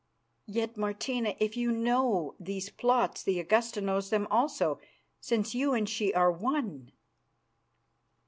"Yet, Martina, if you know these plots the Augusta knows them also, since you and she are one."